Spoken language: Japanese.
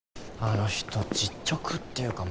あの人実直っていうか